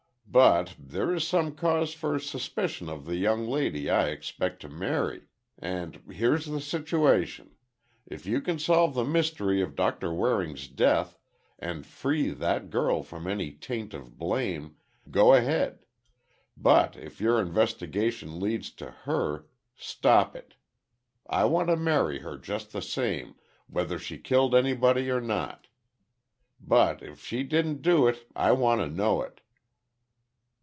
But, there is some cause for suspicion of the young lady I expect to marry. And here's the situation. If you can solve the mystery of Doctor Waring's death, and free that girl from any taint of blame, go ahead. But if your investigation leads to her—stop it. I want to marry her just the same, whether she killed anybody or not. But if she didn't do it, I want to know it."